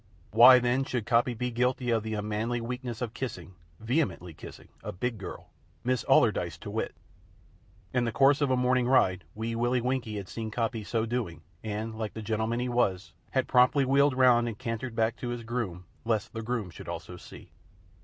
Why, then, should Coppy be guilty of the unmanly weakness of kissing vehemently kissing a "big girl," Miss Allardyce to wit? In the course of a morning ride, Wee Willie Winkie had seen Coppy so doing, and, like the gentleman he was, had promptly wheeled round and cantered back to his groom, lest the groom should also see.